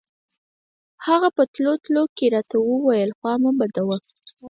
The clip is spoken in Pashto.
هغه په تلو تلو کښې راته وويل خوا مه بدوه.